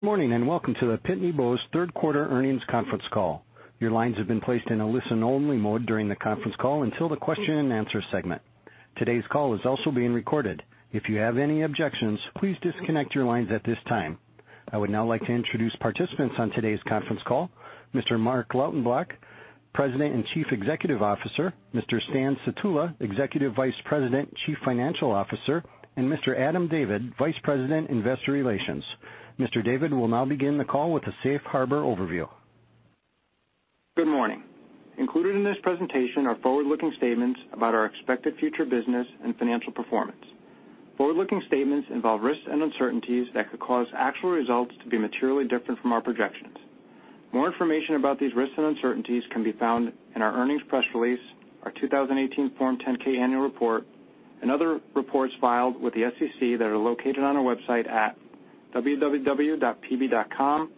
Morning, welcome to the Pitney Bowes third quarter earnings conference call. Your lines have been placed in a listen-only mode during the conference call until the question and answer segment. Today's call is also being recorded. If you have any objections, please disconnect your lines at this time. I would now like to introduce participants on today's conference call, Mr. Marc Lautenbach, President and Chief Executive Officer, Mr. Stan Sutula, Executive Vice President, Chief Financial Officer, and Mr. Adam David, Vice President, Investor Relations. Mr. David will now begin the call with a safe harbor overview. Good morning. Included in this presentation are forward-looking statements about our expected future business and financial performance. Forward-looking statements involve risks and uncertainties that could cause actual results to be materially different from our projections. More information about these risks and uncertainties can be found in our earnings press release, our 2018 Form 10-K annual report, and other reports filed with the SEC that are located on our website at www.pb.com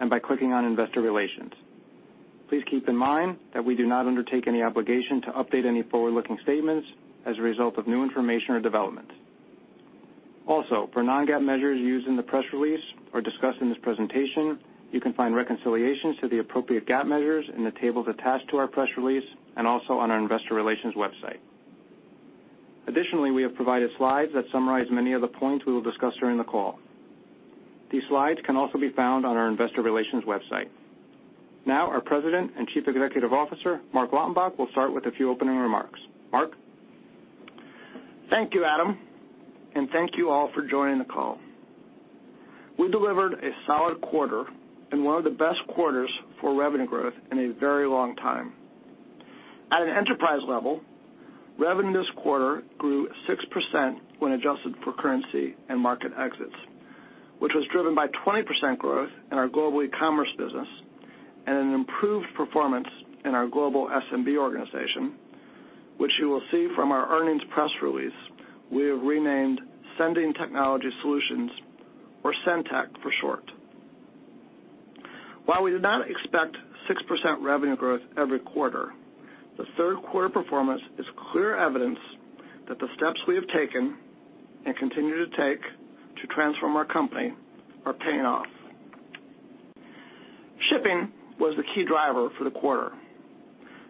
and by clicking on Investor Relations. Please keep in mind that we do not undertake any obligation to update any forward-looking statements as a result of new information or developments. Also, for non-GAAP measures used in the press release or discussed in this presentation, you can find reconciliations to the appropriate GAAP measures in the tables attached to our press release and also on our investor relations website. Additionally, we have provided slides that summarize many of the points we will discuss during the call. These slides can also be found on our investor relations website. Our President and Chief Executive Officer, Marc Lautenbach, will start with a few opening remarks. Marc? Thank you, Adam, and thank you all for joining the call. We delivered a solid quarter and one of the best quarters for revenue growth in a very long time. At an enterprise level, revenue this quarter grew 6% when adjusted for currency and market exits, which was driven by 20% growth in our Global Ecommerce business and an improved performance in our Global SMB organization, which you will see from our earnings press release we have renamed Sending Technology Solutions or SendTech for short. While we do not expect 6% revenue growth every quarter, the third quarter performance is clear evidence that the steps we have taken and continue to take to transform our company are paying off. Shipping was the key driver for the quarter.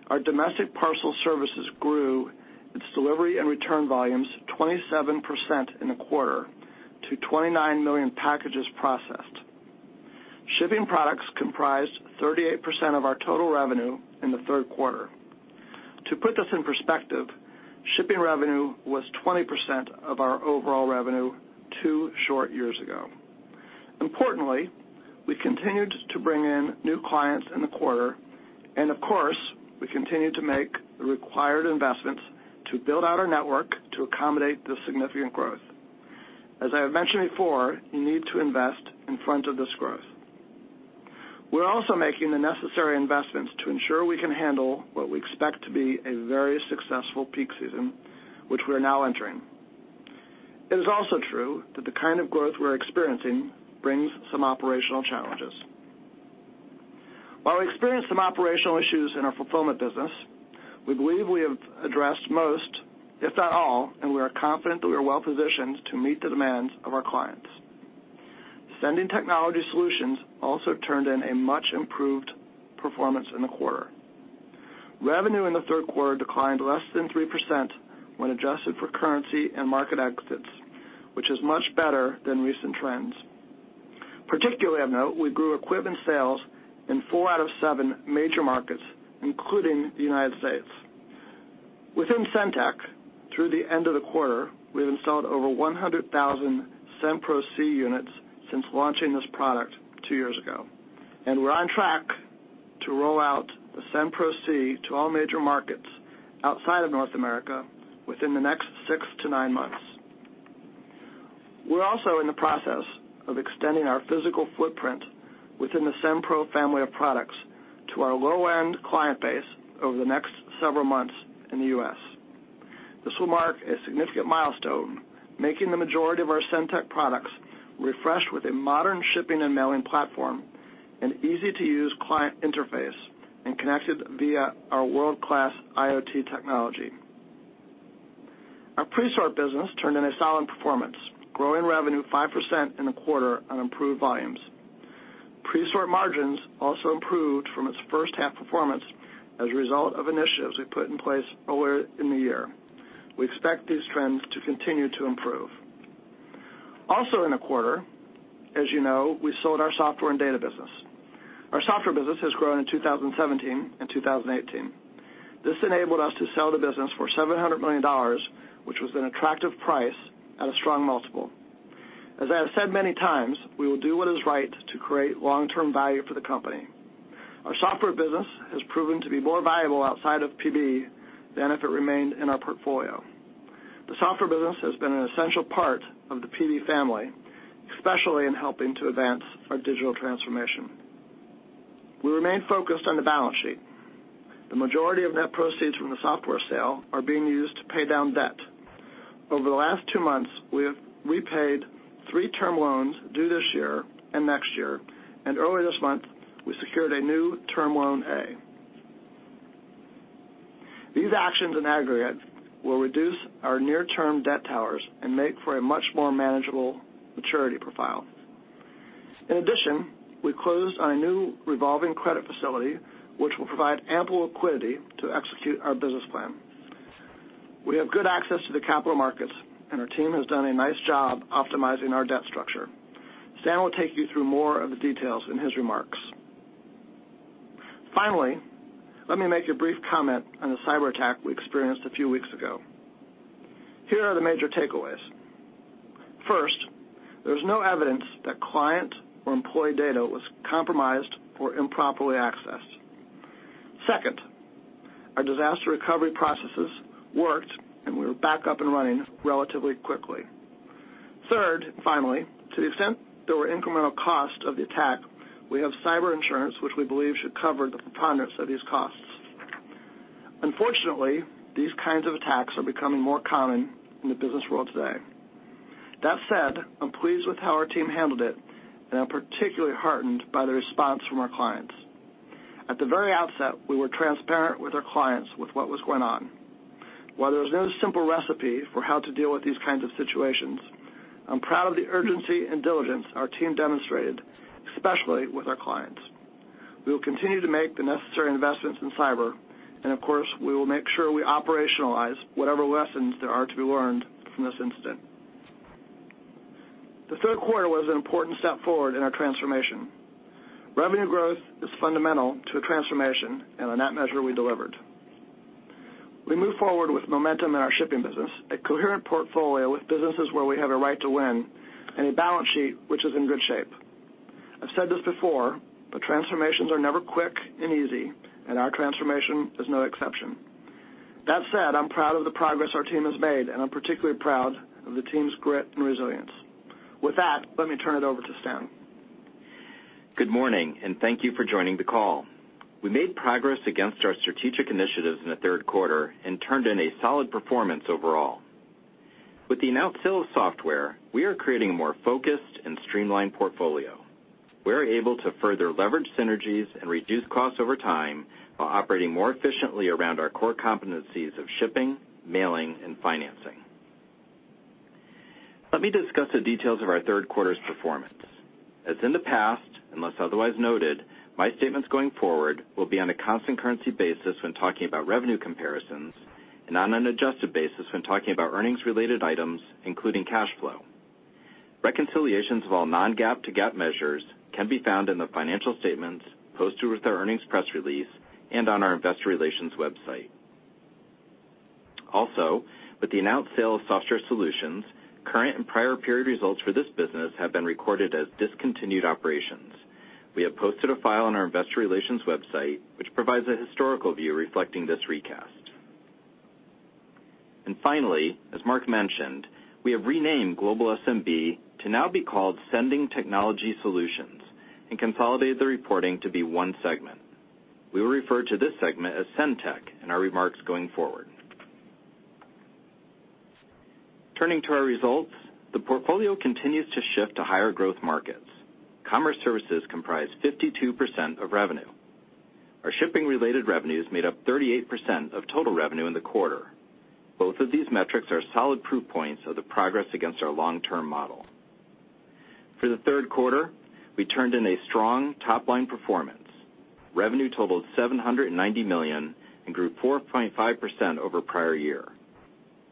Our domestic parcel services grew its delivery and return volumes 27% in the quarter to 29 million packages processed. Shipping products comprised 38% of our total revenue in the third quarter. To put this in perspective, shipping revenue was 20% of our overall revenue two short years ago. Importantly, we continued to bring in new clients in the quarter, and of course, we continued to make the required investments to build out our network to accommodate this significant growth. As I have mentioned before, you need to invest in front of this growth. We're also making the necessary investments to ensure we can handle what we expect to be a very successful peak season, which we are now entering. It is also true that the kind of growth we're experiencing brings some operational challenges. While we experienced some operational issues in our fulfillment business, we believe we have addressed most, if not all, and we are confident that we are well positioned to meet the demands of our clients. Sending Technology Solutions also turned in a much-improved performance in the quarter. Revenue in the third quarter declined less than 3% when adjusted for currency and market exits, which is much better than recent trends. Particularly of note, we grew equipment sales in four out of seven major markets, including the United States. Within SendTech, through the end of the quarter, we have installed over 100,000 SendPro C units since launching this product two years ago. We're on track to roll out the SendPro C to all major markets outside of North America within the next six to nine months. We're also in the process of extending our physical footprint within the SendPro family of products to our low-end client base over the next several months in the U.S. This will mark a significant milestone, making the majority of our SendTech products refreshed with a modern shipping and mailing platform, an easy-to-use client interface, and connected via our world-class IoT technology. Our Presort business turned in a solid performance, growing revenue 5% in the quarter on improved volumes. Presort margins also improved from its first half performance as a result of initiatives we put in place earlier in the year. We expect these trends to continue to improve. Also in the quarter, as you know, we sold our software and data business. Our software business has grown in 2017 and 2018. This enabled us to sell the business for $700 million, which was an attractive price at a strong multiple. As I have said many times, we will do what is right to create long-term value for the company. Our software business has proven to be more valuable outside of PB than if it remained in our portfolio. The software business has been an essential part of the PB family, especially in helping to advance our digital transformation. We remain focused on the balance sheet. The majority of net proceeds from the software sale are being used to pay down debt. Over the last two months, we have repaid three term loans due this year and next year, and earlier this month, we secured a new Term Loan A. These actions in aggregate will reduce our near-term debt totals and make for a much more manageable maturity profile. In addition, we closed on a new revolving credit facility, which will provide ample liquidity to execute our business plan. We have good access to the capital markets, and our team has done a nice job optimizing our debt structure. Stan will take you through more of the details in his remarks. Finally, let me make a brief comment on the cyber attack we experienced a few weeks ago. Here are the major takeaways. First, there's no evidence that client or employee data was compromised or improperly accessed. Second, our disaster recovery processes worked, and we were back up and running relatively quickly. Third, finally, to the extent there were incremental costs of the attack, we have cyber insurance, which we believe should cover the preponderance of these costs. Unfortunately, these kinds of attacks are becoming more common in the business world today. That said, I'm pleased with how our team handled it, and I'm particularly heartened by the response from our clients. At the very outset, we were transparent with our clients with what was going on. While there's no simple recipe for how to deal with these kinds of situations, I'm proud of the urgency and diligence our team demonstrated, especially with our clients. We will continue to make the necessary investments in cyber, and of course, we will make sure we operationalize whatever lessons there are to be learned from this incident. The third quarter was an important step forward in our transformation. Revenue growth is fundamental to a transformation, and on that measure, we delivered. We move forward with momentum in our shipping business, a coherent portfolio with businesses where we have a right to win, and a balance sheet which is in good shape. I've said this before, but transformations are never quick and easy, and our transformation is no exception. That said, I'm proud of the progress our team has made, and I'm particularly proud of the team's grit and resilience. With that, let me turn it over to Stan. Good morning. Thank you for joining the call. We made progress against our strategic initiatives in the third quarter and turned in a solid performance overall. With the announced sale of Software, we are creating a more focused and streamlined portfolio. We are able to further leverage synergies and reduce costs over time while operating more efficiently around our core competencies of shipping, mailing, and financing. Let me discuss the details of our third quarter's performance. As in the past, unless otherwise noted, my statements going forward will be on a constant currency basis when talking about revenue comparisons and on an adjusted basis when talking about earnings-related items, including cash flow. Reconciliations of all non-GAAP to GAAP measures can be found in the financial statements posted with our earnings press release and on our investor relations website. Also, with the announced sale of Software Solutions, current and prior period results for this business have been recorded as discontinued operations. We have posted a file on our investor relations website, which provides a historical view reflecting this recast. Finally, as Marc mentioned, we have renamed Global SMB to now be called Sending Technology Solutions and consolidated the reporting to be one segment. We will refer to this segment as SendTech in our remarks going forward. Turning to our results, the portfolio continues to shift to higher growth markets. Commerce Services comprise 52% of revenue. Our shipping-related revenues made up 38% of total revenue in the quarter. Both of these metrics are solid proof points of the progress against our long-term model. For the third quarter, we turned in a strong top-line performance. Revenue totaled $790 million and grew 4.5% over prior year.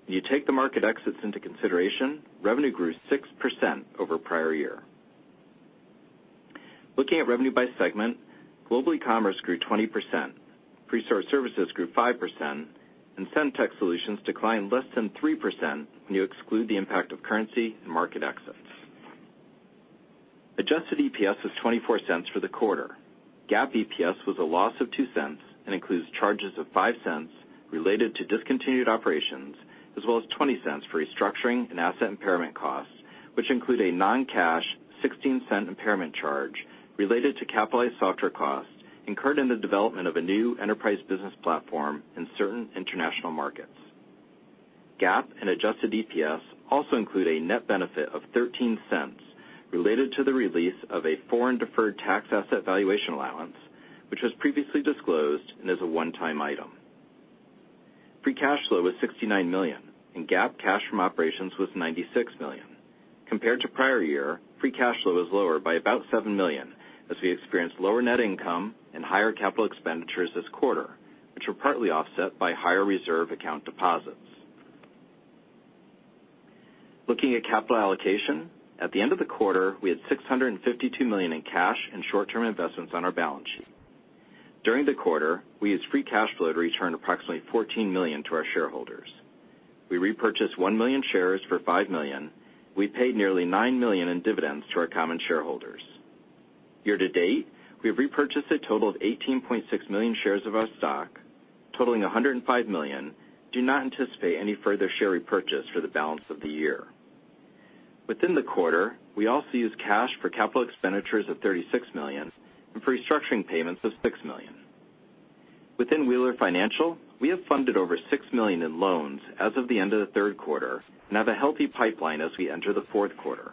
When you take the market exits into consideration, revenue grew 6% over prior year. Looking at revenue by segment, Global Commerce grew 20%, Presort Services grew 5%, and SendTech Solutions declined less than 3% when you exclude the impact of currency and market exits. Adjusted EPS was $0.24 for the quarter. GAAP EPS was a loss of $0.02 and includes charges of $0.05 related to discontinued operations, as well as $0.20 for restructuring and asset impairment costs, which include a non-cash $0.16 impairment charge related to capitalized software costs incurred in the development of a new enterprise business platform in certain international markets. GAAP and adjusted EPS also include a net benefit of $0.13 related to the release of a foreign deferred tax asset valuation allowance, which was previously disclosed and is a one-time item. Free cash flow was $69 million, and GAAP cash from operations was $96 million. Compared to prior year, free cash flow was lower by about $7 million as we experienced lower net income and higher capital expenditures this quarter, which were partly offset by higher reserve account deposits. Looking at capital allocation, at the end of the quarter, we had $652 million in cash and short-term investments on our balance sheet. During the quarter, we used free cash flow to return approximately $14 million to our shareholders. We repurchased 1 million shares for $5 million. We paid nearly $9 million in dividends to our common shareholders. Year to date, we have repurchased a total of 18.6 million shares of our stock, totaling $105 million and do not anticipate any further share repurchase for the balance of the year. Within the quarter, we also used cash for capital expenditures of $36 million and for restructuring payments of $6 million. Within Wheeler Financial, we have funded over $6 million in loans as of the end of the third quarter and have a healthy pipeline as we enter the fourth quarter.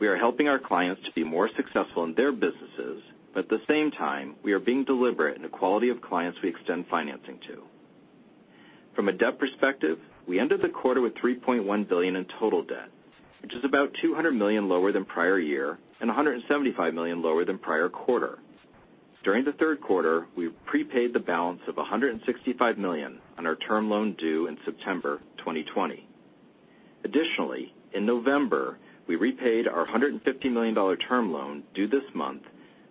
We are helping our clients to be more successful in their businesses, at the same time, we are being deliberate in the quality of clients we extend financing to. From a debt perspective, we ended the quarter with $3.1 billion in total debt, which is about $200 million lower than prior year and $175 million lower than prior quarter. During the third quarter, we prepaid the balance of $165 million on our Term Loan due in September 2020. Additionally, in November, we repaid our $150 million term loan due this month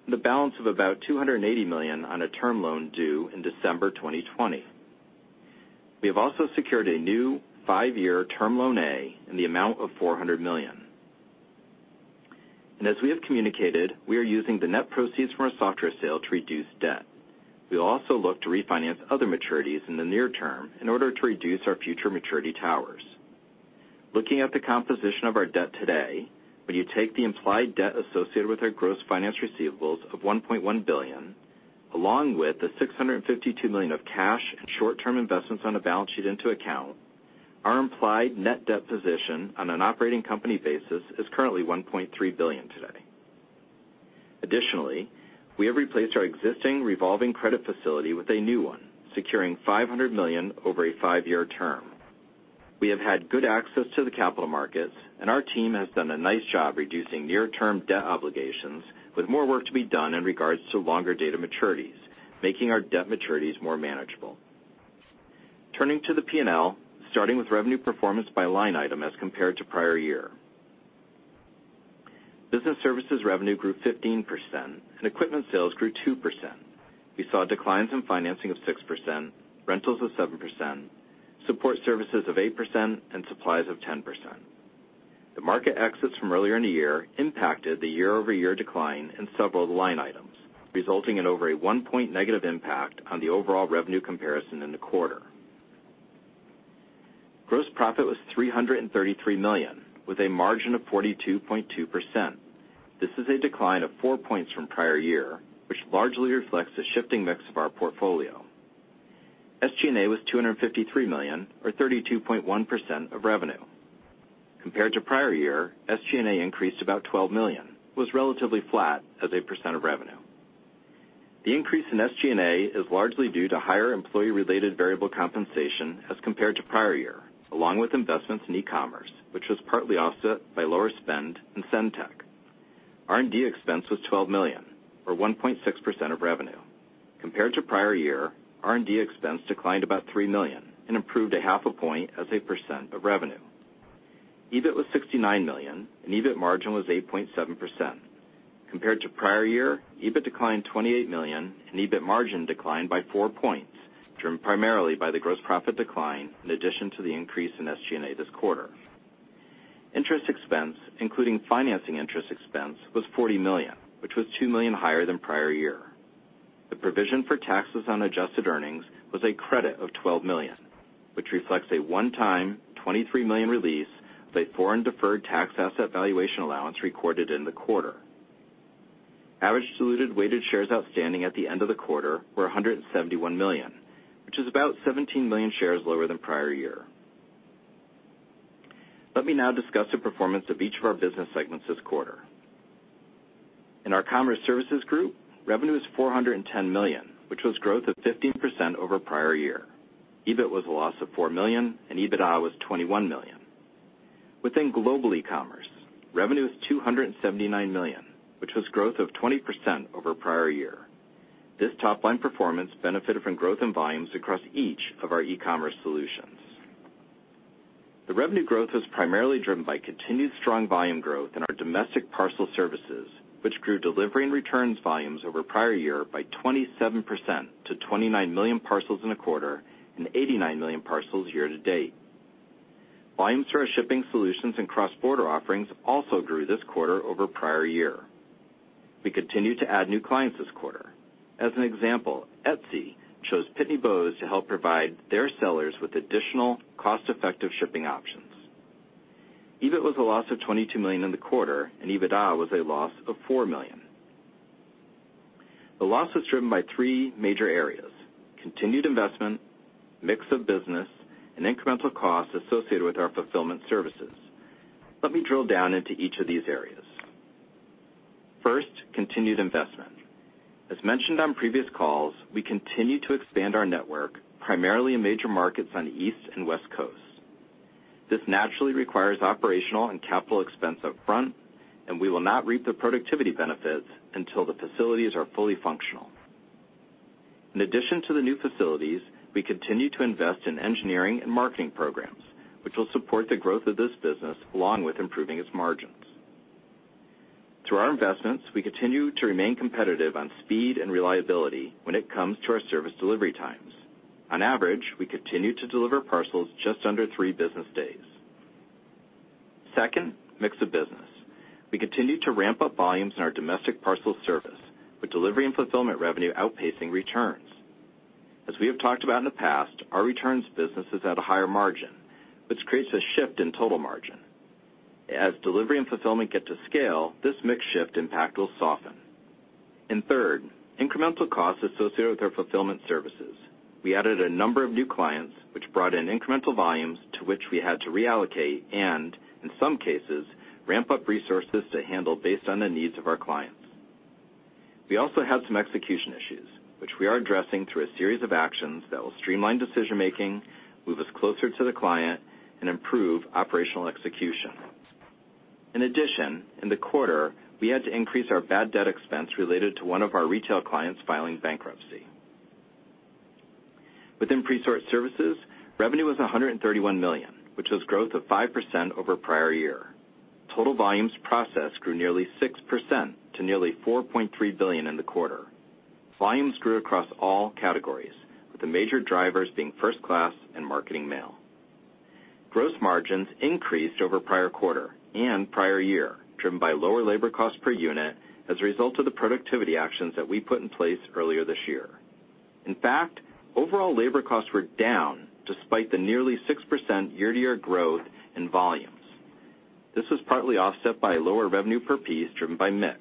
and the balance of about $280 million on a term loan due in December 2020. We have also secured a new five-year Term Loan A in the amount of $400 million. As we have communicated, we are using the net proceeds from our software sale to reduce debt. We will also look to refinance other maturities in the near term in order to reduce our future maturity towers. Looking at the composition of our debt today, when you take the implied debt associated with our gross finance receivables of $1.1 billion, along with the $652 million of cash and short-term investments on the balance sheet into account, our implied net debt position on an operating company basis is currently $1.3 billion today. Additionally, we have replaced our existing revolving credit facility with a new one, securing $500 million over a 5-year term. We have had good access to the capital markets, and our team has done a nice job reducing near-term debt obligations with more work to be done in regards to longer-dated maturities, making our debt maturities more manageable. Turning to the P&L, starting with revenue performance by line item as compared to prior year. Business services revenue grew 15%, and equipment sales grew 2%. We saw declines in financing of 6%, rentals of 7%, support services of 8%, and supplies of 10%. The market exits from earlier in the year impacted the year-over-year decline in several of the line items, resulting in over a 1 point negative impact on the overall revenue comparison in the quarter. Gross profit was $333 million, with a margin of 42.2%. This is a decline of 4 points from prior-year, which largely reflects the shifting mix of our portfolio. SG&A was $253 million, or 32.1% of revenue. Compared to prior-year, SG&A increased about $12 million, was relatively flat as a % of revenue. The increase in SG&A is largely due to higher employee-related variable compensation as compared to prior-year, along with investments in e-commerce, which was partly offset by lower spend in SendTech. R&D expense was $12 million, or 1.6% of revenue. Compared to prior-year, R&D expense declined about $3 million and improved a half a point as a % of revenue. EBIT was $69 million, and EBIT margin was 8.7%. Compared to prior-year, EBIT declined $28 million, and EBIT margin declined by 4 points, driven primarily by the gross profit decline in addition to the increase in SG&A this quarter. Interest expense, including financing interest expense, was $40 million, which was $2 million higher than prior year. The provision for taxes on adjusted earnings was a credit of $12 million, which reflects a one-time $23 million release of a foreign deferred tax asset valuation allowance recorded in the quarter. Average diluted weighted shares outstanding at the end of the quarter were 171 million, which is about 17 million shares lower than prior year. Let me now discuss the performance of each of our business segments this quarter. In our Commerce Services group, revenue is $410 million, which was growth of 15% over prior year. EBIT was a loss of $4 million, and EBITDA was $21 million. Within Global Ecommerce, revenue is $279 million, which was growth of 20% over prior year. This top-line performance benefited from growth in volumes across each of our e-commerce solutions. The revenue growth was primarily driven by continued strong volume growth in our domestic parcel services, which grew delivery and returns volumes over prior year by 27% to 29 million parcels in a quarter and 89 million parcels year to date. Volumes to our shipping solutions and cross-border offerings also grew this quarter over prior year. We continued to add new clients this quarter. As an example, Etsy chose Pitney Bowes to help provide their sellers with additional cost-effective shipping options. EBIT was a loss of $22 million in the quarter, and EBITDA was a loss of $4 million. The loss was driven by three major areas: continued investment, mix of business, and incremental costs associated with our fulfillment services. Let me drill down into each of these areas. First, continued investment. As mentioned on previous calls, we continue to expand our network, primarily in major markets on the East and West Coasts. This naturally requires operational and capital expense up front, and we will not reap the productivity benefits until the facilities are fully functional. In addition to the new facilities, we continue to invest in engineering and marketing programs, which will support the growth of this business along with improving its margins. Through our investments, we continue to remain competitive on speed and reliability when it comes to our service delivery times. On average, we continue to deliver parcels just under three business days. Second, mix of business. We continue to ramp up volumes in our domestic parcel service, with delivery and fulfillment revenue outpacing returns. As we have talked about in the past, our returns business is at a higher margin, which creates a shift in total margin. As delivery and fulfillment get to scale, this mix shift impact will soften. Third, incremental costs associated with our fulfillment services. We added a number of new clients, which brought in incremental volumes to which we had to reallocate and, in some cases, ramp up resources to handle based on the needs of our clients. We also had some execution issues, which we are addressing through a series of actions that will streamline decision-making, move us closer to the client, and improve operational execution. In addition, in the quarter, we had to increase our bad debt expense related to one of our retail clients filing bankruptcy. Within Presort Services, revenue was $131 million, which was growth of 5% over prior year. Total volumes processed grew nearly 6% to nearly 4.3 billion in the quarter. Volumes grew across all categories, with the major drivers being first class and marketing mail. Gross margins increased over the prior quarter and prior year, driven by lower labor cost per unit as a result of the productivity actions that we put in place earlier this year. In fact, overall labor costs were down despite the nearly 6% year-to-year growth in volumes. This was partly offset by lower revenue per piece, driven by mix.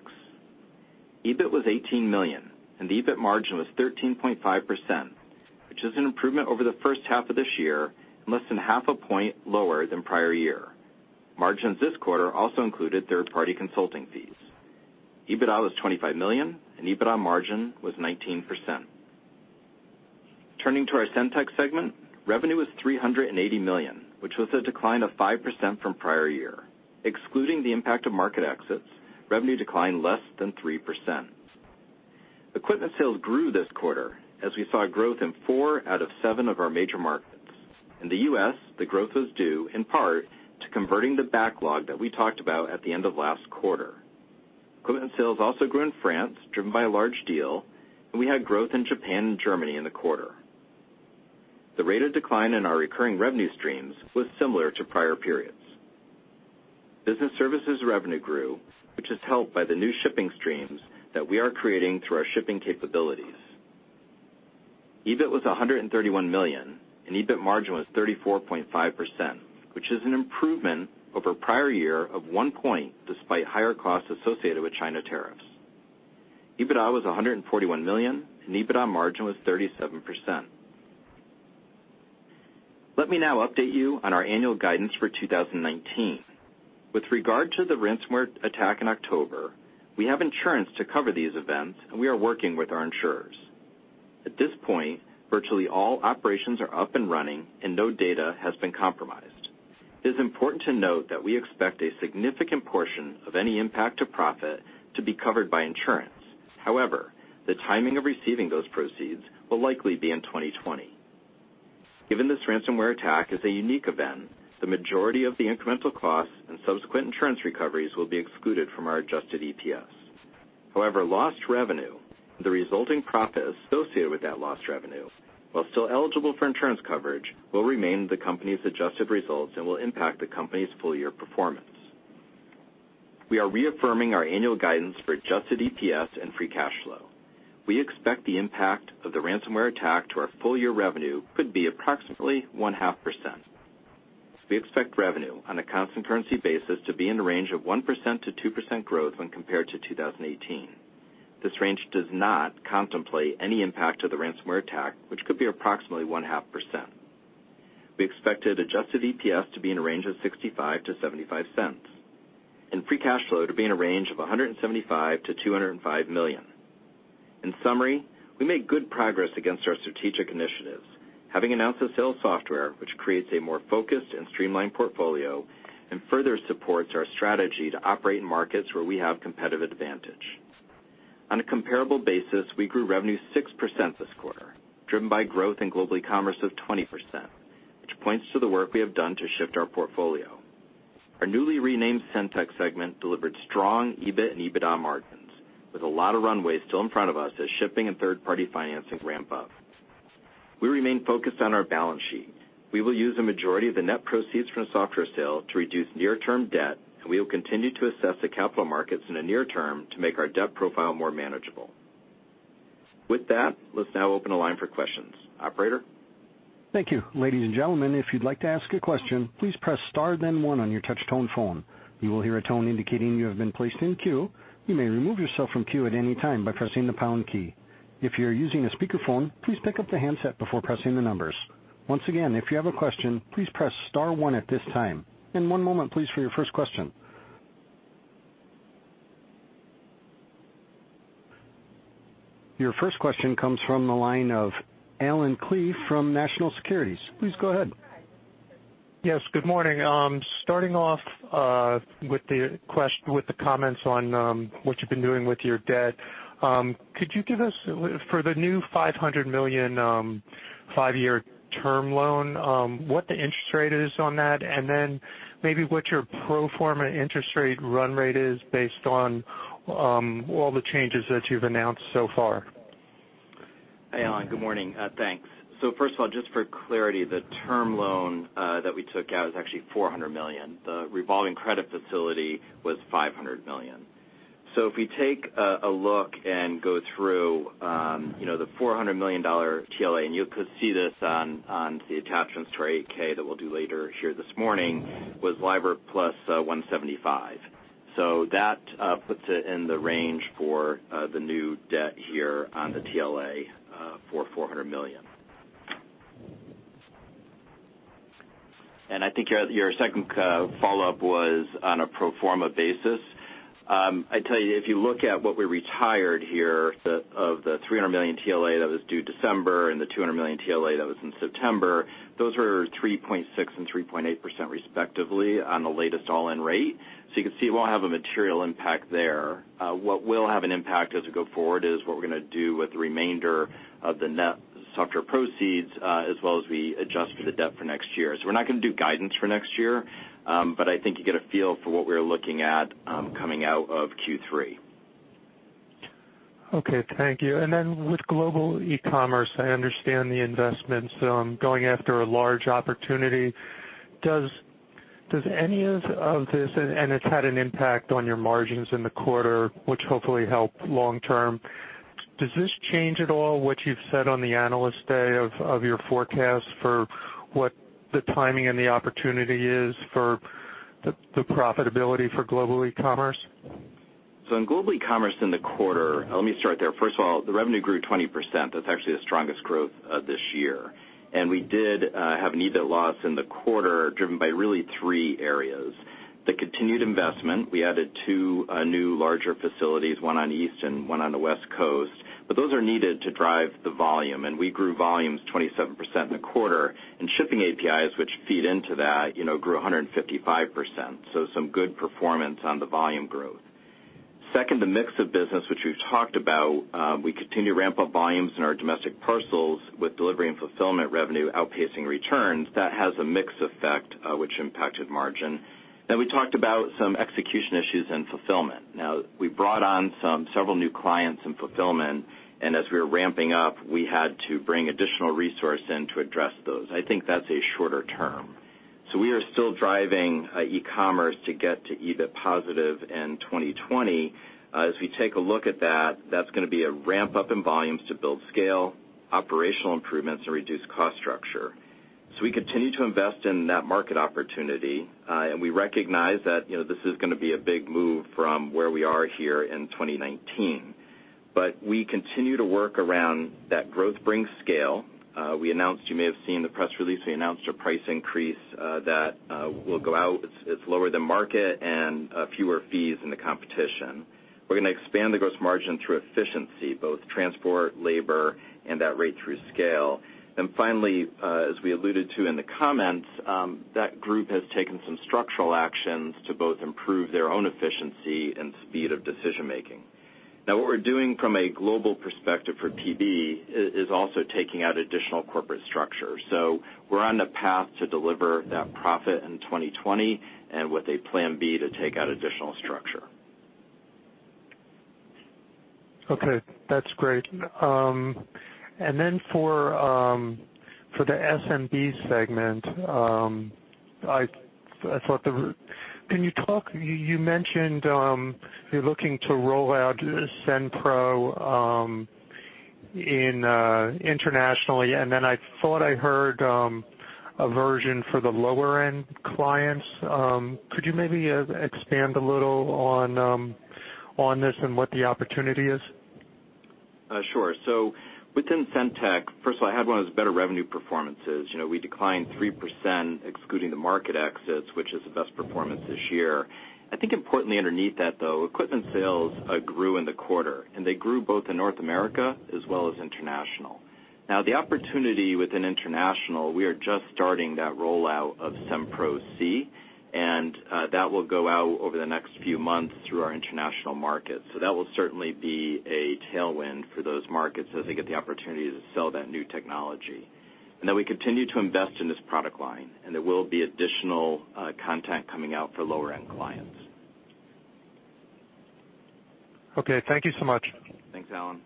EBIT was $18 million, and the EBIT margin was 13.5%, which is an improvement over the first half of this year and less than half a point lower than prior year. Margins this quarter also included third-party consulting fees. EBITDA was $25 million, and EBITDA margin was 19%. Turning to our SendTech segment, revenue was $380 million, which was a decline of 5% from the prior year. Excluding the impact of market exits, revenue declined less than 3%. Equipment sales grew this quarter as we saw growth in four out of seven of our major markets. In the U.S., the growth was due, in part, to converting the backlog that we talked about at the end of last quarter. Equipment sales also grew in France, driven by a large deal, and we had growth in Japan and Germany in the quarter. The rate of decline in our recurring revenue streams was similar to prior periods. Business services revenue grew, which is helped by the new shipping streams that we are creating through our shipping capabilities. EBIT was $131 million, and EBIT margin was 34.5%, which is an improvement over prior year of one point, despite higher costs associated with China tariffs. EBITDA was $141 million, and EBITDA margin was 37%. Let me now update you on our annual guidance for 2019. With regard to the ransomware attack in October, we have insurance to cover these events, and we are working with our insurers. At this point, virtually all operations are up and running, and no data has been compromised. It is important to note that we expect a significant portion of any impact to profit to be covered by insurance. However, the timing of receiving those proceeds will likely be in 2020. Given this ransomware attack is a unique event, the majority of the incremental costs and subsequent insurance recoveries will be excluded from our adjusted EPS. However, lost revenue and the resulting profit associated with that lost revenue, while still eligible for insurance coverage, will remain the company's adjusted results and will impact the company's full-year performance. We are reaffirming our annual guidance for adjusted EPS and free cash flow. We expect the impact of the ransomware attack to our full-year revenue could be approximately one-half %. We expect revenue on a constant currency basis to be in the range of 1%-2% growth when compared to 2018. This range does not contemplate any impact of the ransomware attack, which could be approximately one-half %. We expected adjusted EPS to be in a range of $0.65-$0.75, and free cash flow to be in a range of $175 million-$205 million. In summary, we made good progress against our strategic initiatives, having announced the sale of Software, which creates a more focused and streamlined portfolio and further supports our strategy to operate in markets where we have competitive advantage. On a comparable basis, we grew revenue 6% this quarter, driven by growth in Global Ecommerce of 20%, which points to the work we have done to shift our portfolio. Our newly renamed SendTech segment delivered strong EBIT and EBITDA margins, with a lot of runway still in front of us as shipping and third-party financing ramp up. We remain focused on our balance sheet. We will use the majority of the net proceeds from the software sale to reduce near-term debt. We will continue to assess the capital markets in the near term to make our debt profile more manageable. With that, let's now open the line for questions. Operator? Thank you. Ladies and gentlemen, if you'd like to ask a question, please press star then one on your touch tone phone. You will hear a tone indicating you have been placed in queue. You may remove yourself from queue at any time by pressing the pound key. If you're using a speakerphone, please pick up the handset before pressing the numbers. Once again, if you have a question, please press star one at this time. One moment please, for your first question. Your first question comes from the line of Allen Klee from National Securities. Please go ahead. Hi, Allen, good morning. Thanks. First of all, just for clarity, the term loan that we took out is actually $400 million. The revolving credit facility was $500 million. If we take a look and go through the $400 million TLA, and you could see this on the attachments to our 8-K that we'll do later here this morning, was LIBOR plus 175. That puts it in the range for the new debt here on the TLA for $400 million. I think your second follow-up was on a pro forma basis. I'd tell you, if you look at what we retired here, of the $300 million TLA that was due December and the $200 million TLA that was in September, those were 3.6 and 3.8% respectively on the latest all-in rate. You can see it won't have a material impact there. What will have an impact as we go forward is what we're going to do with the remainder of the net software proceeds, as well as we adjust for the debt for next year. We're not going to do guidance for next year, but I think you get a feel for what we're looking at coming out of Q3. Okay, thank you. With Global Ecommerce, I understand the investments going after a large opportunity. It's had an impact on your margins in the quarter, which hopefully help long term. Does this change at all what you've said on the analyst day of your forecast for what the timing and the opportunity is for the profitability for Global Ecommerce? In Global Ecommerce in the quarter, let me start there. First of all, the revenue grew 20%. That's actually the strongest growth this year. We did have an EBIT loss in the quarter driven by really three areas. The continued investment, we added two new larger facilities, one on the East and one on the West Coast. Those are needed to drive the volume, and we grew volumes 27% in the quarter. Shipping APIs, which feed into that, grew 155%. Some good performance on the volume growth. Second, the mix of business, which we've talked about, we continue to ramp up volumes in our domestic parcels with delivery and fulfillment revenue outpacing returns. That has a mix effect which impacted margin. We talked about some execution issues and fulfillment. We brought on several new clients in fulfillment, and as we were ramping up, we had to bring additional resource in to address those. I think that's a shorter term. We are still driving Ecommerce to get to EBIT positive in 2020. As we take a look at that's going to be a ramp-up in volumes to build scale, operational improvements, and reduce cost structure. We continue to invest in that market opportunity, and we recognize that this is going to be a big move from where we are here in 2019. We continue to work around that growth brings scale. You may have seen the press release, we announced a price increase that will go out. It's lower than market and fewer fees than the competition. We're going to expand the gross margin through efficiency, both transport, labor, and that rate through scale. Finally, as we alluded to in the comments, that group has taken some structural actions to both improve their own efficiency and speed of decision making. Now, what we're doing from a global perspective for PB is also taking out additional corporate structure. We're on the path to deliver that profit in 2020, and with a plan B to take out additional structure. Okay, that's great. For the SMB segment, you mentioned you're looking to roll out SendPro internationally, and then I thought I heard a version for the lower-end clients. Could you maybe expand a little on this and what the opportunity is? Sure. Within SendTech, first of all, it had one of its better revenue performances. We declined 3% excluding the market exits, which is the best performance this year. I think importantly underneath that, though, equipment sales grew in the quarter, and they grew both in North America as well as international. The opportunity within international, we are just starting that rollout of SendPro C, and that will go out over the next few months through our international markets. That will certainly be a tailwind for those markets as they get the opportunity to sell that new technology. We continue to invest in this product line, and there will be additional content coming out for lower-end clients. Okay, thank you so much. Thanks, Allen.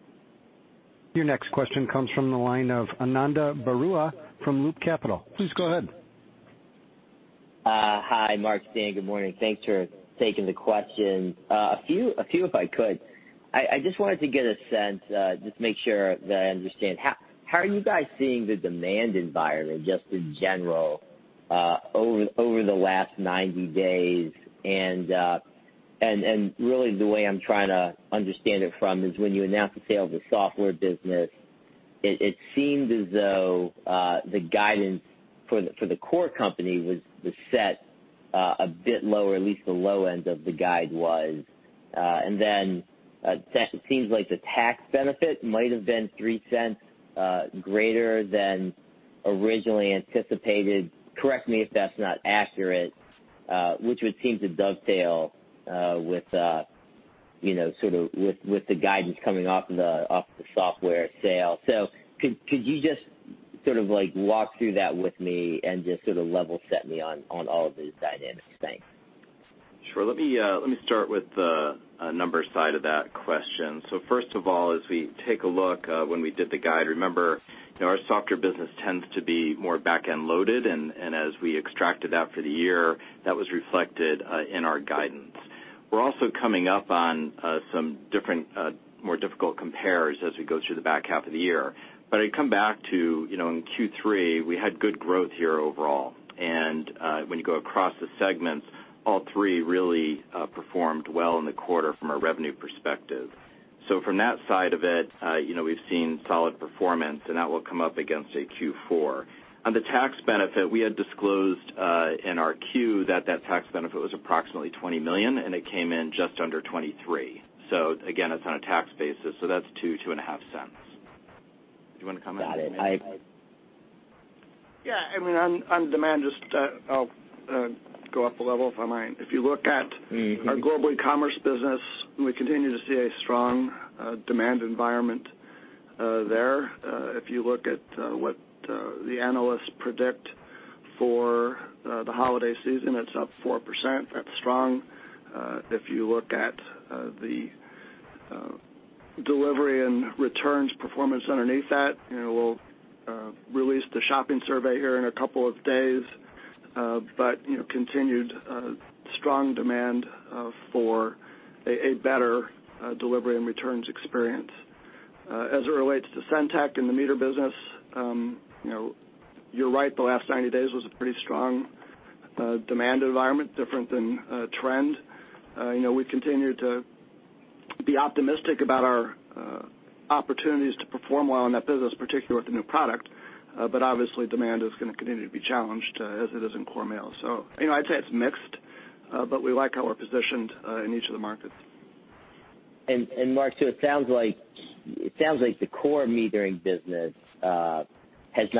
Your next question comes from the line of Ananda Baruah from Loop Capital. Please go ahead. Hi, Marc, Stan, good morning. Thanks for taking the questions. A few, if I could. I just wanted to get a sense, just make sure that I understand. How are you guys seeing the demand environment, just in general, over the last 90 days? Really the way I'm trying to understand it from is when you announced the sale of the Software Solutions, it seemed as though the guidance for the core company was set a bit lower, at least the low end of the guide was. Then it seems like the tax benefit might have been $0.03 greater than originally anticipated. Correct me if that's not accurate, which would seem to dovetail with the guidance coming off of the Software Solutions sale. Could you just sort of walk through that with me and just sort of level set me on all of these dynamics? Thanks. Sure. Let me start with the numbers side of that question. First of all, as we take a look when we did the guide, remember, our Software Solutions business tends to be more back-end-loaded, and as we extracted that for the year, that was reflected in our guidance. We're also coming up on some different, more difficult compares as we go through the back-half of the year. I come back to, in Q3, we had good growth here overall. When you go across the segments, all three really performed well in the quarter from a revenue perspective. From that side of it, we've seen solid performance, and that will come up against a Q4. On the tax benefit, we had disclosed in our Q that that tax benefit was approximately $20 million, and it came in just under $23 million. Again, it's on a tax basis, that's $0.025. Do you want to comment? Got it. Yeah, on demand, just I'll go up a level, if I might. If you look at our Global Ecommerce business, we continue to see a strong demand environment there. If you look at what the analysts predict for the holiday season, it's up 4%. That's strong. If you look at the delivery and returns performance underneath that, we'll release the shopping survey here in a couple of days. Continued strong demand for a better delivery and returns experience. As it relates to SendTech and the meter business, you're right, the last 90 days was a pretty strong demand environment, different than trend. We continue to be optimistic about our opportunities to perform well in that business, particularly with the new product. Obviously, demand is going to continue to be challenged as it is in core mail. I'd say it's mixed, but we like how we're positioned in each of the markets. Marc, it sounds like the core metering business hasn't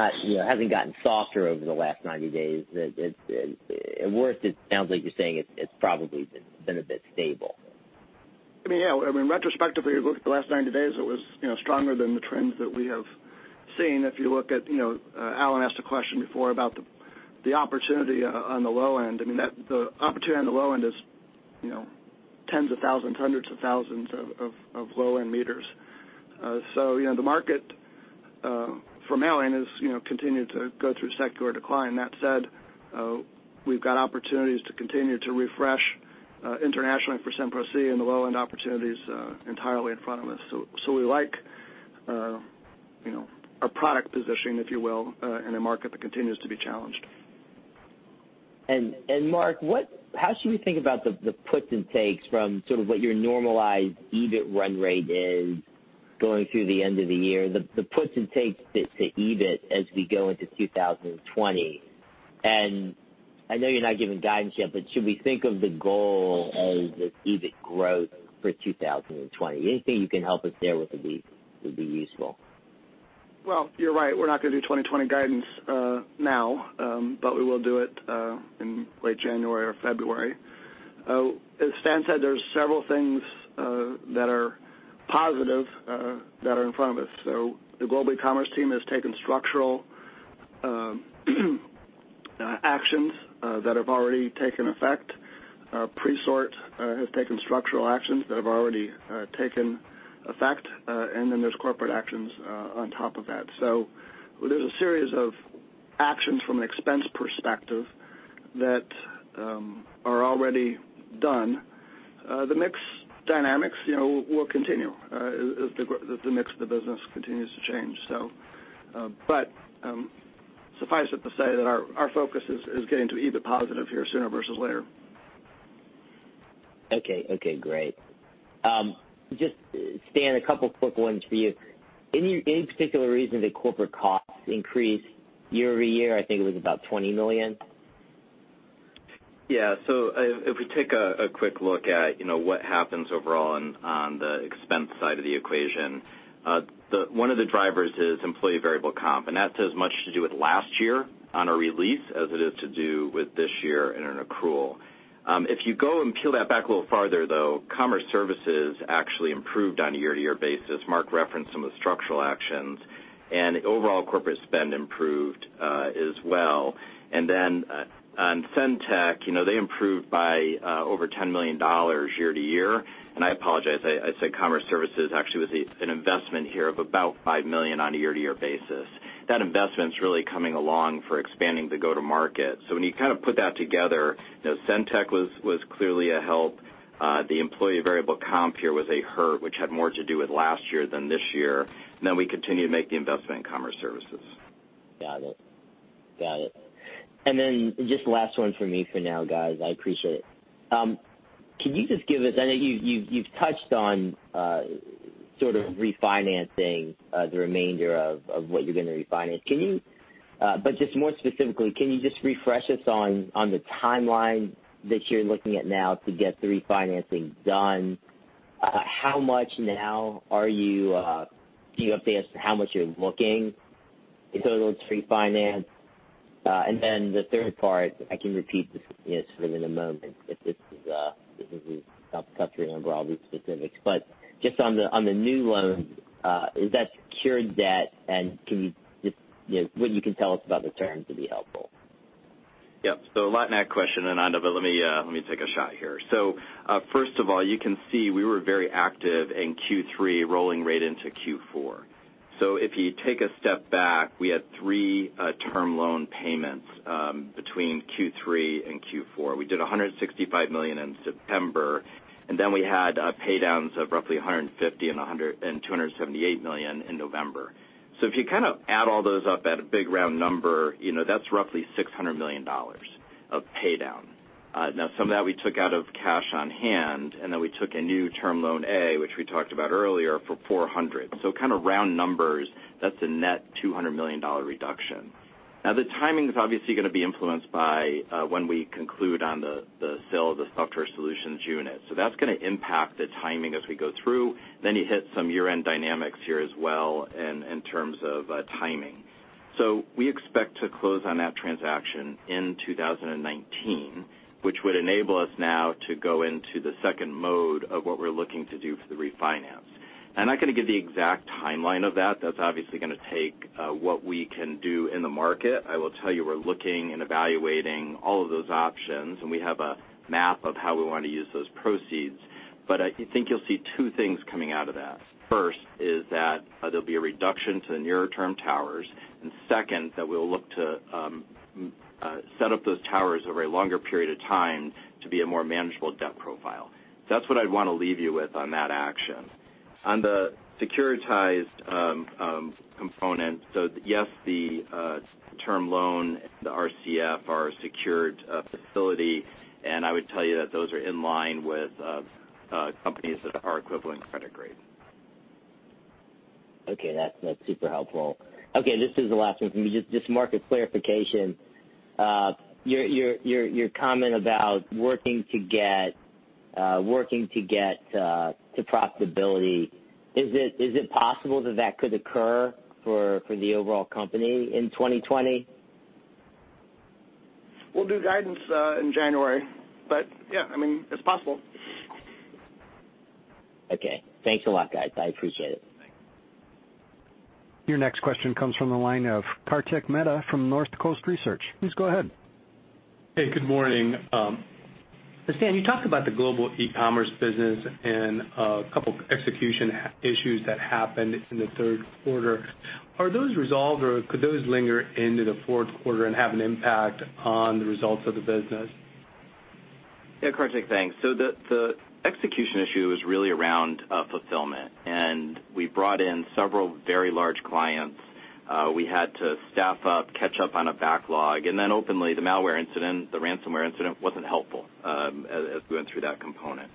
gotten softer over the last 90 days. At worst, it sounds like you're saying it's probably been a bit stable. Yeah. I mean, retrospectively, you look at the last 90 days, it was stronger than the trends that we have seen. If you look at, Allen asked a question before about the opportunity on the low end. I mean, the opportunity on the low end is tens of thousands, hundreds of thousands of low-end meters. The market for mailing has continued to go through secular decline. That said, we've got opportunities to continue to refresh internationally for SendPro C and the low-end opportunities entirely in front of us. We like our product positioning, if you will, in a market that continues to be challenged. Marc, how should we think about the puts and takes from sort of what your normalized EBIT run rate is going through the end of the year, the puts and takes to EBIT as we go into 2020? I know you're not giving guidance yet, but should we think of the goal as the EBIT growth for 2020? Anything you can help us there would be useful. Well, you're right. We're not going to do 2020 guidance now, but we will do it in late January or February. As Stan said, there's several things that are positive that are in front of us. The Global Commerce team has taken structural actions that have already taken effect. Presort has taken structural actions that have already taken effect. There's corporate actions on top of that. There's a series of actions from an expense perspective that are already done. The mix dynamics will continue as the mix of the business continues to change. Suffice it to say that our focus is getting to EBIT positive here sooner versus later. Okay, great. Just Stan, a couple quick ones for you. Any particular reason that corporate costs increased year-over-year? I think it was about $20 million. Yeah. If we take a quick look at what happens overall on the expense side of the equation, one of the drivers is employee variable comp, and that's as much to do with last year on a release as it is to do with this year in an accrual. If you go and peel that back a little farther, though, Commerce Services actually improved on a year-to-year basis. Marc referenced some of the structural actions, overall corporate spend improved as well. On SendTech, they improved by over $10 million year-to-year. I apologize, I said Commerce Services actually was an investment here of about $5 million on a year-to-year basis. That investment's really coming along for expanding the go to market. When you kind of put that together, SendTech was clearly a help. The employee variable comp here was a hurt, which had more to do with last year than this year. We continue to make the investment in Commerce Services. Got it. Just last one from me for now, guys. I appreciate it. Can you just give us, I know you've touched on sort of refinancing the remainder of what you're going to refinance. Just more specifically, can you just refresh us on the timeline that you're looking at now to get the refinancing done? How much now do you have an update as to how much you're looking in total to refinance? The third part, I can repeat this for you in a moment if this is too complicated to remember all these specifics. Just on the new loan, is that secured debt, and what you can tell us about the terms would be helpful. Yep. A lot in that question, Ananda, but let me take a shot here. First of all, you can see we were very active in Q3 rolling right into Q4. If you take a step back, we had three term loan payments between Q3 and Q4. We did $165 million in September, and then we had pay downs of roughly $150 million and $278 million in November. If you add all those up at a big round number, that's roughly $600 million of pay down. Now, some of that we took out of cash on hand, and then we took a new Term Loan A, which we talked about earlier, for $400. Round numbers, that's a net $200 million reduction. Now, the timing's obviously going to be influenced by when we conclude on the sale of the Software Solutions unit. That's going to impact the timing as we go through. You hit some year-end dynamics here as well in terms of timing. We expect to close on that transaction in 2019, which would enable us now to go into the second mode of what we're looking to do for the refinance. I'm not going to give the exact timeline of that. That's obviously going to take what we can do in the market. I will tell you we're looking and evaluating all of those options, and we have a map of how we want to use those proceeds. I think you'll see two things coming out of that. First is that there'll be a reduction to the nearer term towers, and second, that we'll look to set up those towers over a longer period of time to be a more manageable debt profile. That's what I'd want to leave you with on that action. On the securitized component, yes, the term loan and the RCF are a secured facility, and I would tell you that those are in line with companies that are equivalent credit grade. Okay. That's super helpful. Okay, this is the last one from me, just market clarification. Your comment about working to get to profitability, is it possible that that could occur for the overall company in 2020? We'll do guidance in January, but yeah, it's possible. Okay. Thanks a lot, guys. I appreciate it. Thanks. Your next question comes from the line of Kartik Mehta from Northcoast Research. Please go ahead. Hey, good morning. Stan, you talked about the Global Ecommerce business and a couple execution issues that happened in the third quarter. Are those resolved, or could those linger into the fourth quarter and have an impact on the results of the business? Yeah, Kartik, thanks. The execution issue is really around fulfillment. We brought in several very large clients. We had to staff up, catch up on a backlog, and then openly, the malware incident, the ransomware incident wasn't helpful as we went through that component.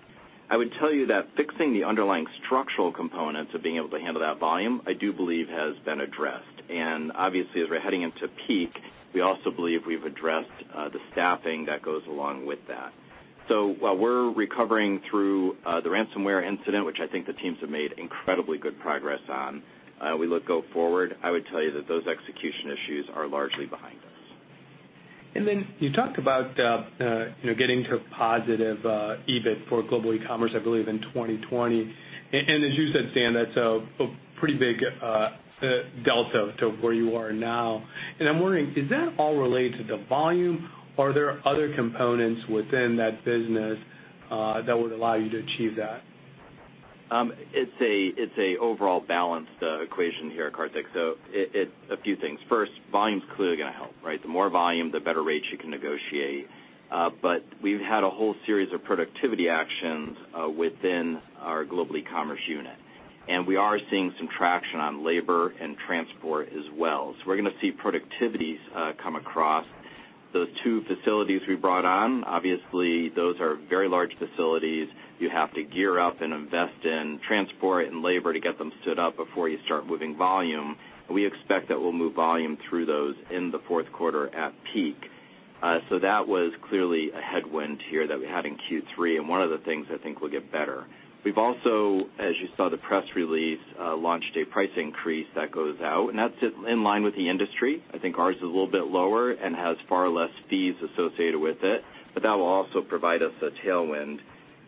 I would tell you that fixing the underlying structural components of being able to handle that volume, I do believe has been addressed. Obviously, as we're heading into peak, we also believe we've addressed the staffing that goes along with that. While we're recovering through the ransomware incident, which I think the teams have made incredibly good progress on, we look go forward, I would tell you that those execution issues are largely behind us. You talked about getting to positive EBIT for Global Ecommerce, I believe in 2020. As you said, Stan, that's a pretty big delta to where you are now. I'm wondering, is that all related to volume, or are there other components within that business that would allow you to achieve that? It's a overall balanced equation here, Kartik. A few things. First, volume's clearly going to help, right? The more volume, the better rates you can negotiate. We've had a whole series of productivity actions within our Global Ecommerce unit. We are seeing some traction on labor and transport as well. We're going to see productivities come across those two facilities we brought on. Obviously, those are very large facilities. You have to gear up and invest in transport and labor to get them stood up before you start moving volume. We expect that we'll move volume through those in the fourth quarter at peak. That was clearly a headwind here that we had in Q3, and one of the things I think will get better. We've also, as you saw the press release, launched a price increase that goes out. That's in line with the industry. I think ours is a little bit lower and has far less fees associated with it, but that will also provide us a tailwind.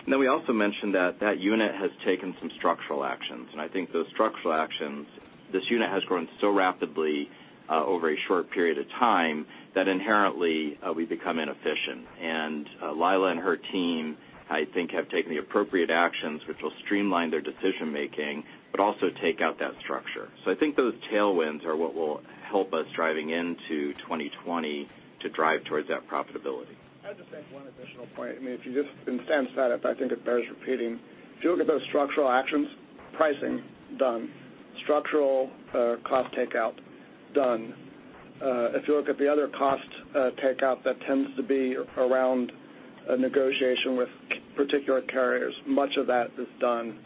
We also mentioned that that unit has taken some structural actions. I think those structural actions, this unit has grown so rapidly over a short period of time that inherently we become inefficient. Lila and her team, I think, have taken the appropriate actions, which will streamline their decision-making, but also take out that structure. I think those tailwinds are what will help us driving into 2020 to drive towards that profitability. I'd just make one additional point. If you just, and Stan said it, but I think it bears repeating. If you look at those structural actions, pricing, done. Structural cost takeout, done. If you look at the other cost takeout, that tends to be around negotiation with particular carriers. Much of that is done.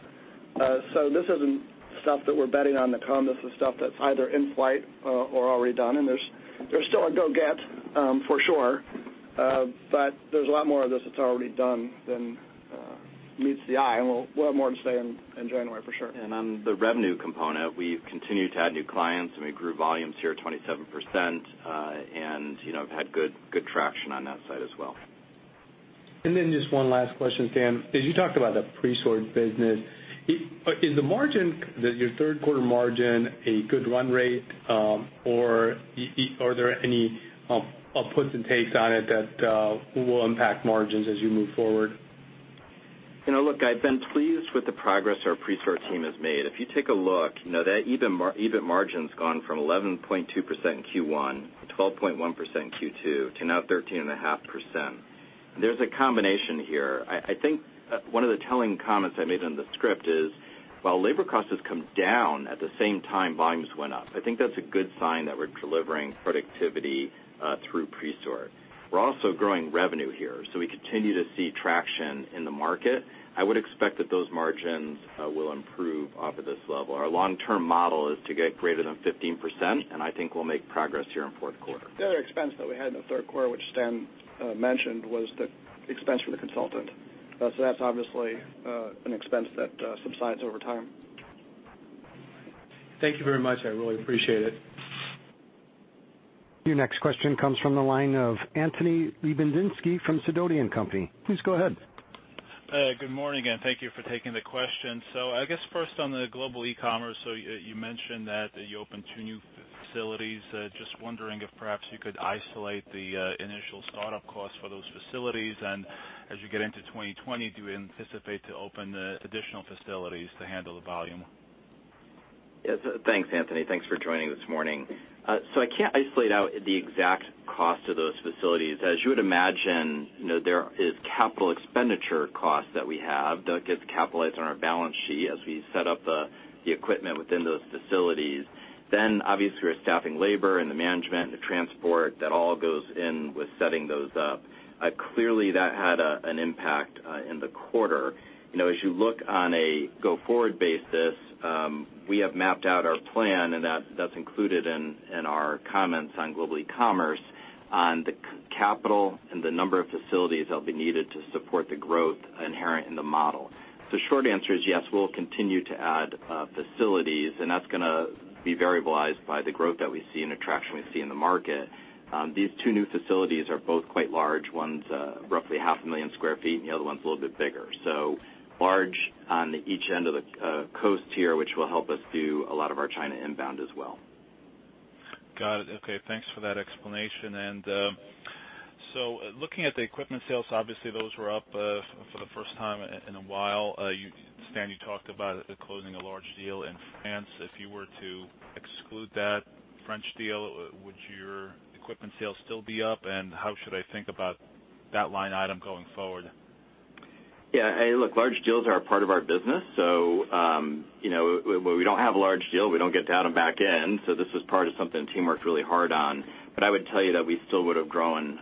This isn't stuff that we're betting on to come. This is stuff that's either in flight or already done, and there's still a go get, for sure. There's a lot more of this that's already done than meets the eye, and we'll have more to say in January for sure. On the revenue component, we've continued to add new clients, and we grew volumes here 27%, and have had good traction on that side as well. Just one last question, Stan. As you talked about the Presort business, is the margin, your third quarter margin, a good run rate, or are there any puts and takes on it that will impact margins as you move forward? Look, I've been pleased with the progress our Presort team has made. If you take a look, that EBIT margin's gone from 11.2% in Q1, 12.1% in Q2, to now 13.5%. There's a combination here. I think one of the telling comments I made in the script is, while labor costs have come down, at the same time, volumes went up. I think that's a good sign that we're delivering productivity through Presort. We're also growing revenue here, so we continue to see traction in the market. I would expect that those margins will improve off of this level. Our long-term model is to get greater than 15%, and I think we'll make progress here in fourth quarter. The other expense that we had in the third quarter, which Stan mentioned, was the expense for the consultant. That's obviously an expense that subsides over time. Thank you very much. I really appreciate it. Your next question comes from the line of Anthony Lebiedzinski from Sidoti & Company. Please go ahead. Good morning, and thank you for taking the question. I guess first on the Global Ecommerce, you mentioned that you opened two new facilities. Just wondering if perhaps you could isolate the initial startup costs for those facilities, and as you get into 2020, do you anticipate to open additional facilities to handle the volume? Yes. Thanks, Anthony. Thanks for joining this morning. I can't isolate out the exact cost of those facilities. As you would imagine, there is capital expenditure costs that we have that gets capitalized on our balance sheet as we set up the equipment within those facilities. Obviously we're staffing labor and the management and the transport, that all goes in with setting those up. Clearly, that had an impact in the quarter. As you look on a go-forward basis, we have mapped out our plan, and that's included in our comments on Global Ecommerce on the capital and the number of facilities that will be needed to support the growth inherent in the model. The short answer is yes, we'll continue to add facilities, and that's going to be variablized by the growth that we see and the traction we see in the market. These two new facilities are both quite large. One's roughly half a million square feet, and the other one's a little bit bigger. Large on each end of the coast here, which will help us do a lot of our China inbound as well. Got it. Okay. Thanks for that explanation. Looking at the equipment sales, obviously those were up for the first time in a while. Stan, you talked about closing a large deal in France. If you were to exclude that French deal, would your equipment sales still be up, and how should I think about that line item going forward? Yeah. Look, large deals are a part of our business, so when we don't have a large deal, we don't get to have them back in. This was part of something the team worked really hard on. I would tell you that we still would've grown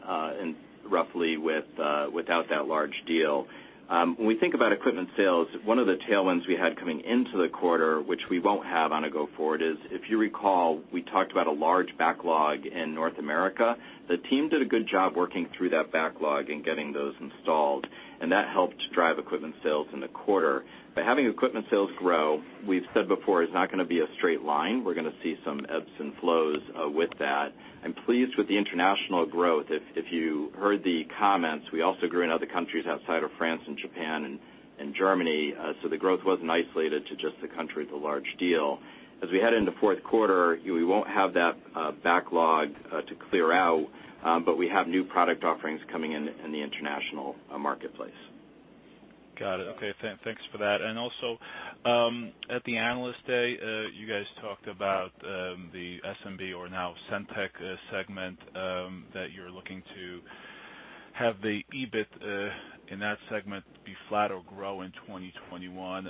roughly without that large deal. When we think about equipment sales, one of the tailwinds we had coming into the quarter, which we won't have on a go forward, is if you recall, we talked about a large backlog in North America. The team did a good job working through that backlog and getting those installed, and that helped drive equipment sales in the quarter. Having equipment sales grow, we've said before, is not going to be a straight line. We're going to see some ebbs and flows with that. I'm pleased with the international growth. If you heard the comments, we also grew in other countries outside of France and Japan and Germany. The growth wasn't isolated to just the country with the large deal. As we head into fourth quarter, we won't have that backlog to clear out, but we have new product offerings coming in in the international marketplace. Got it. Okay. Thanks for that. Also, at the Analyst Day, you guys talked about the SMB or now SendTech segment, that you're looking to have the EBIT in that segment be flat or grow in 2021.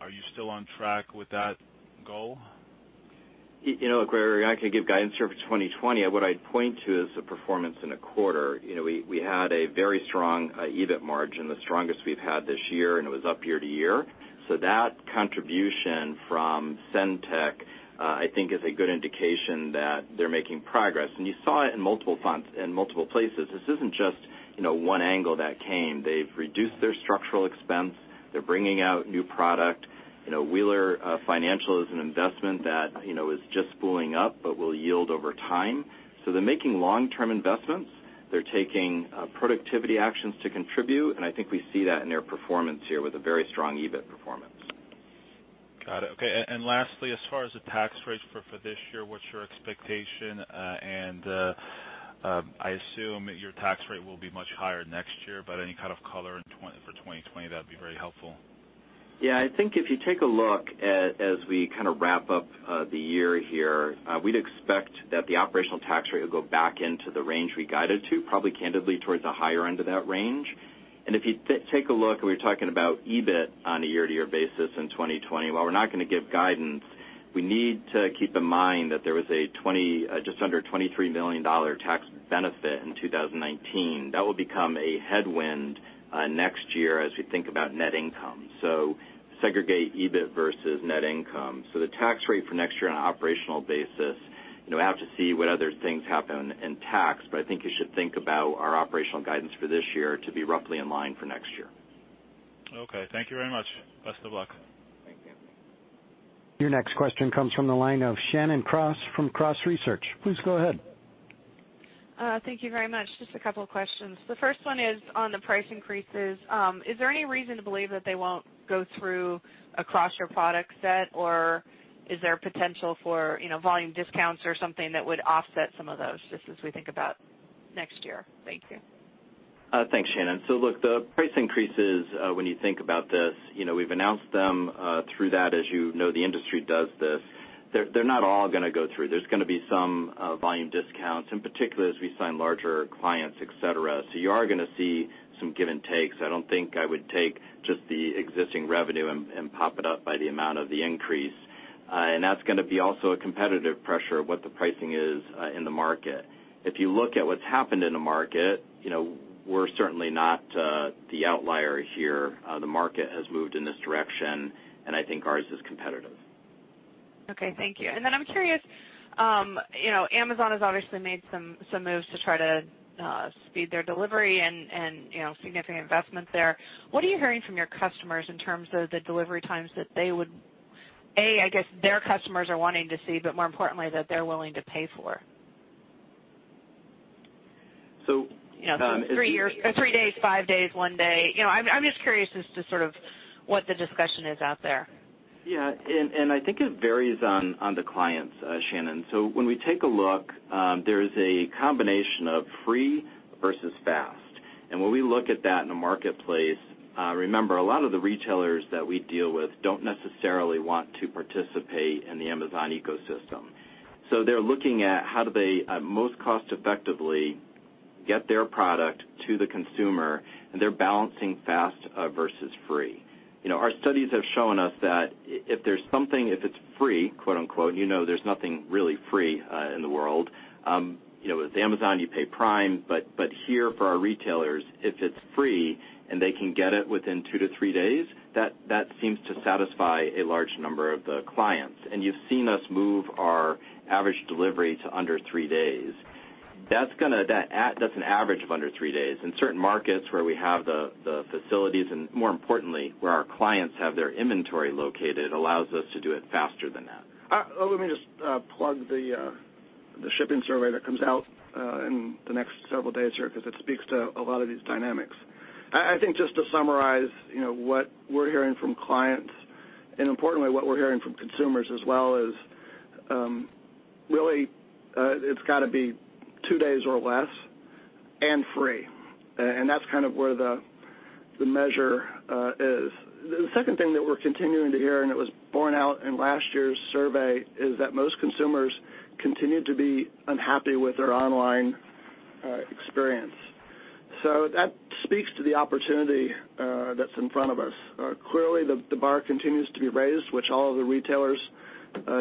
Are you still on track with that goal? Look, where I can give guidance here for 2020, what I'd point to is the performance in a quarter. We had a very strong EBIT margin, the strongest we've had this year, and it was up year-over-year. That contribution from SendTech, I think, is a good indication that they're making progress. You saw it in multiple places. This isn't just one angle that came. They've reduced their structural expense. They're bringing out new product. Wheeler Financial is an investment that is just spooling up but will yield over time. They're making long-term investments. They're taking productivity actions to contribute, and I think we see that in their performance here with a very strong EBIT performance. Got it. Okay. Lastly, as far as the tax rates for this year, what's your expectation? I assume your tax rate will be much higher next year, but any kind of color for 2020, that'd be very helpful. Yeah, I think if you take a look as we kind of wrap up the year here, we'd expect that the operational tax rate will go back into the range we guided to, probably candidly towards the higher end of that range. If you take a look, we were talking about EBIT on a year-over-year basis in 2020. While we're not going to give guidance, we need to keep in mind that there was just under a $23 million tax benefit in 2019. That will become a headwind next year as we think about net income. Segregate EBIT versus net income. The tax rate for next year on an operational basis, we'll have to see what other things happen in tax, but I think you should think about our operational guidance for this year to be roughly in line for next year. Okay. Thank you very much. Best of luck. Thank you. Your next question comes from the line of Shannon Cross from Cross Research. Please go ahead. Thank you very much. Just a couple of questions. The first one is on the price increases. Is there any reason to believe that they won't go through across your product set, or is there potential for volume discounts or something that would offset some of those, just as we think about next year? Thank you. Thanks, Shannon. Look, the price increases, when you think about this, we've announced them through that. As you know, the industry does this. They're not all going to go through. There's going to be some volume discounts, in particular, as we sign larger clients, et cetera. You are going to see some give and takes. I don't think I would take just the existing revenue and pop it up by the amount of the increase. That's going to be also a competitive pressure of what the pricing is in the market. If you look at what's happened in the market, we're certainly not the outlier here. The market has moved in this direction, and I think ours is competitive. Okay, thank you. Then I'm curious, Amazon has obviously made some moves to try to speed their delivery and significant investments there. What are you hearing from your customers in terms of the delivery times that they would, A, I guess, their customers are wanting to see, but more importantly, that they're willing to pay for? So- Three years, three days, five days, one day. I'm just curious as to sort of what the discussion is out there. I think it varies on the clients, Shannon. When we take a look, there is a combination of free versus fast. When we look at that in a marketplace, remember, a lot of the retailers that we deal with don't necessarily want to participate in the Amazon ecosystem. They're looking at how do they most cost effectively get their product to the consumer, and they're balancing fast versus free. Our studies have shown us that if there's something, if it's free, quote unquote, you know there's nothing really free in the world. With Amazon, you pay Prime, but here for our retailers, if it's free and they can get it within two to three days, that seems to satisfy a large number of the clients. You've seen us move our average delivery to under three days. That's an average of under three days. In certain markets where we have the facilities, and more importantly, where our clients have their inventory located, allows us to do it faster than that. Let me just plug the shipping survey that comes out in the next several days here because it speaks to a lot of these dynamics. I think just to summarize what we're hearing from clients and importantly what we're hearing from consumers as well is really, it's got to be two days or less and free. That's kind of where the measure is. The second thing that we're continuing to hear, and it was borne out in last year's survey, is that most consumers continue to be unhappy with their online experience. That speaks to the opportunity that's in front of us. Clearly, the bar continues to be raised, which all of the retailers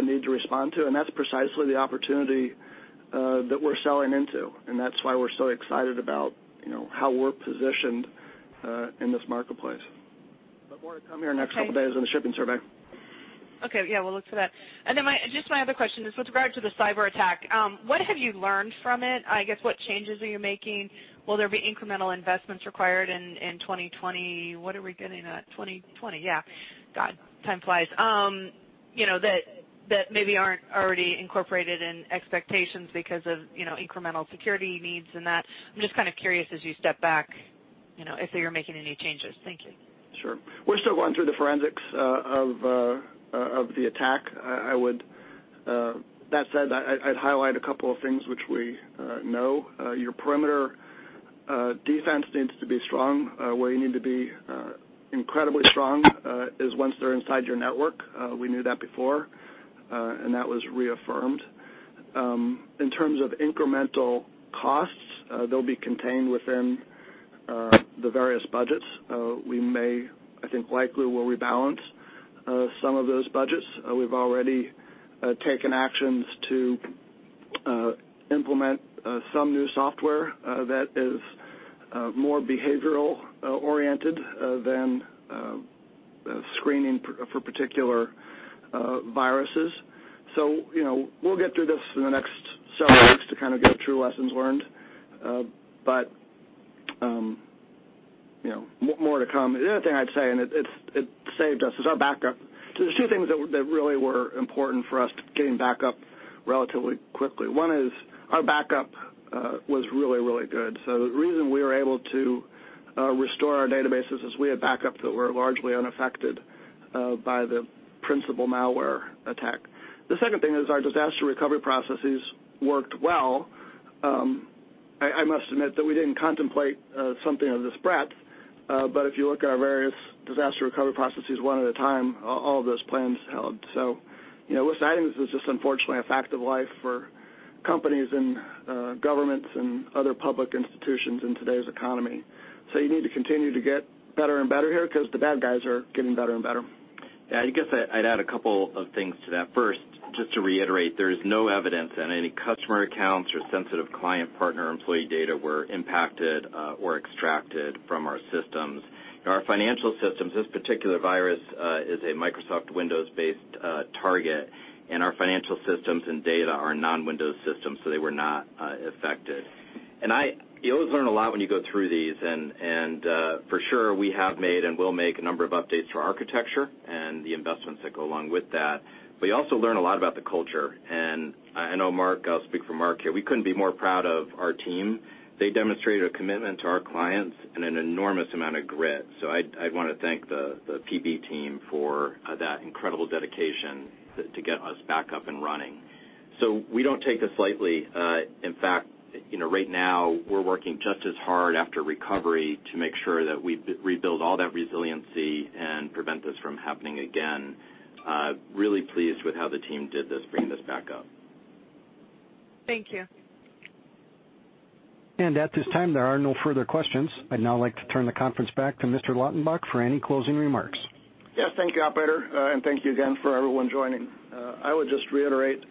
need to respond to, and that's precisely the opportunity that we're selling into, and that's why we're so excited about how we're positioned in this marketplace. More to come here in the next couple of days on the shipping survey. Okay. Yeah, we'll look for that. Then just my other question is with regard to the cyber attack, what have you learned from it? I guess, what changes are you making? Will there be incremental investments required in 2020? What are we getting at? 2020, yeah. God, time flies. That maybe aren't already incorporated in expectations because of incremental security needs and that. I'm just kind of curious as you step back, if you're making any changes. Thank you. Sure. We're still going through the forensics of the attack. That said, I'd highlight a couple of things which we know. Your perimeter defense needs to be strong. Where you need to be incredibly strong is once they're inside your network. We knew that before. That was reaffirmed. In terms of incremental costs, they'll be contained within the various budgets. We may, I think likely will rebalance some of those budgets. We've already taken actions to implement some new software that is more behavioral-oriented than screening for particular viruses. We'll get through this in the next several weeks to kind of go through lessons learned. More to come. The other thing I'd say, and it saved us, is our backup. There's two things that really were important for us getting back up relatively quickly. One is our backup was really, really good. The reason we were able to restore our databases is we had backups that were largely unaffected by the principal malware attack. The second thing is our disaster recovery processes worked well. I must admit that we didn't contemplate something of this breadth, but if you look at our various disaster recovery processes one at a time, all of those plans held. With that, this is just unfortunately a fact of life for companies and governments and other public institutions in today's economy. You need to continue to get better and better here because the bad guys are getting better and better. Yeah, I guess I'd add a couple of things to that. First, just to reiterate, there is no evidence that any customer accounts or sensitive client partner employee data were impacted or extracted from our systems. In our financial systems, this particular virus is a Microsoft Windows-based target, and our financial systems and data are non-Windows systems, so they were not affected. You always learn a lot when you go through these, and for sure, we have made and will make a number of updates to our architecture and the investments that go along with that. You also learn a lot about the culture. I know Marc, I'll speak for Marc here, we couldn't be more proud of our team. They demonstrated a commitment to our clients and an enormous amount of grit. I want to thank the PB team for that incredible dedication to get us back up and running. We don't take this lightly. In fact, right now we're working just as hard after recovery to make sure that we rebuild all that resiliency and prevent this from happening again. Really pleased with how the team did this, bringing this back up. Thank you. At this time, there are no further questions. I'd now like to turn the conference back to Mr. Lautenbach for any closing remarks. Yes, thank you, operator, and thank you again for everyone joining. I would just reiterate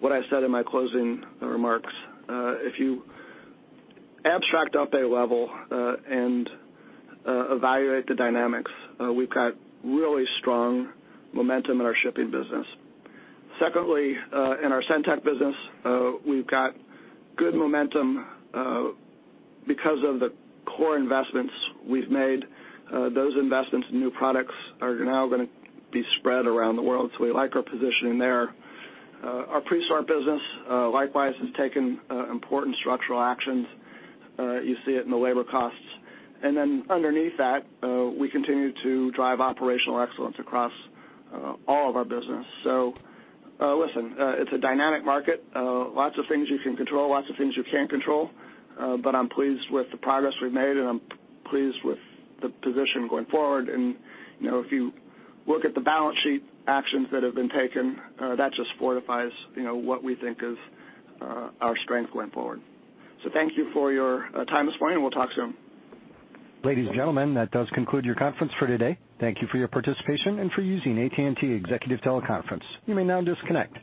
what I said in my closing remarks. If you abstract up a level and evaluate the dynamics, we've got really strong momentum in our shipping business. Secondly, in our SendTech business, we've got good momentum because of the core investments we've made. Those investments in new products are now going to be spread around the world, so we like our positioning there. Our Presort business likewise has taken important structural actions. You see it in the labor costs. Underneath that, we continue to drive operational excellence across all of our business. Listen, it's a dynamic market. Lots of things you can control, lots of things you can't control. I'm pleased with the progress we've made, and I'm pleased with the position going forward. If you look at the balance sheet actions that have been taken, that just fortifies what we think is our strength going forward. Thank you for your time this morning, and we'll talk soon. Ladies and gentlemen, that does conclude your conference for today. Thank you for your participation and for using AT&T Executive Teleconference. You may now disconnect.